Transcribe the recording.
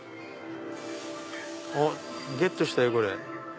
あっゲットしたよ。